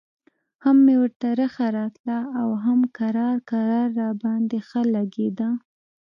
هم مې ورته رخه راتله او هم کرار کرار راباندې ښه لګېده.